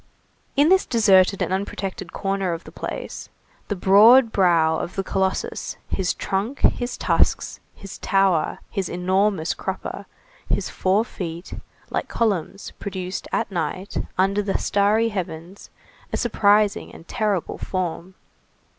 In this deserted and unprotected corner of the place, the broad brow of the colossus, his trunk, his tusks, his tower, his enormous crupper, his four feet, like columns produced, at night, under the starry heavens, a surprising and terrible form.